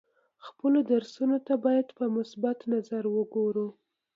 خپلو درسونو ته باید په مثبت نظر وګورو.